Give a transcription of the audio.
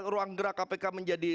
ruang gerak kpk menjadi